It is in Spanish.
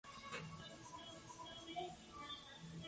Puedes jugar juegos cuando quieras y donde quieras.